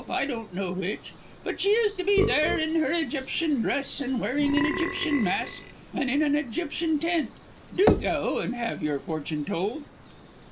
I don't know which. But she is to be there in her Egyptian dress and wearing an Egyptian mask and in an Egyptian tent. Do go and have your fortune told."